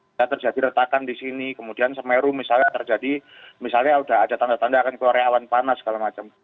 tidak terjadi retakan di sini kemudian semeru misalnya terjadi misalnya sudah ada tanda tanda akan keluarnya awan panas segala macam